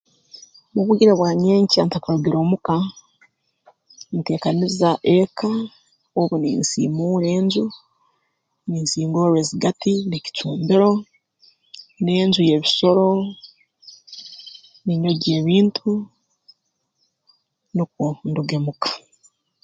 Mu bwire bwa nyenkya ntakarugire muka nteekaniza eka obu ninsiimuura enju ninsingorra ezigati n'ekicumbiro n'enju ey'ebisoro ninyogya ebintu nukwo nduge muka